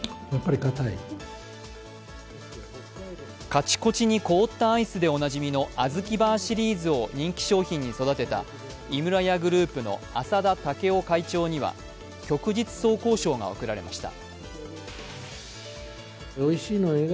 カチコチに凍ったアイスでおなじみのあずきバーシリーズを人気商品に育てた井村屋グループの浅田剛夫会長には旭日双光章が贈られました。